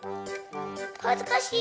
はずかしいよ！